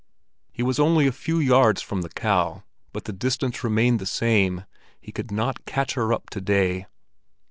He was only a few yards from the cow, but the distance remained the same; he could not catch her up to day.